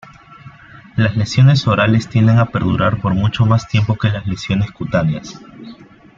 Las lesiones orales tienden a perdurar por mucho más tiempo que las lesiones cutáneas.